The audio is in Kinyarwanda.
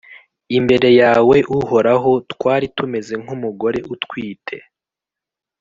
Imbere yawe, Uhoraho, twari tumeze nk’umugore utwite,